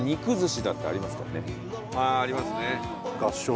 ああありますね。